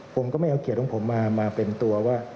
ผมก็ไม่เอาเกียรติของผมมาเป็นตัวว่า